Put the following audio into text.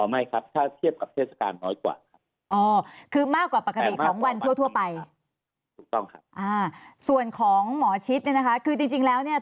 ไม่ครับถ้าเทียบกับเทศกาลน้อยกว่า